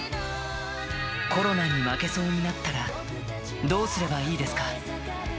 コロナに負けそうになったら、どうすればいいですか？